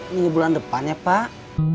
ini bulan depannya pak